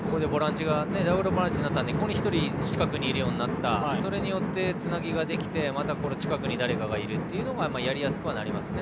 ダブルボランチになったので１人、近くにいるようになってそれによって、つなぎができてまた近くに誰かがいるというのでやりやすくなりますね。